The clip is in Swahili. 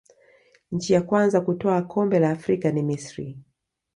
nchi ya kwanza kutwaa kombe la afrika ni misri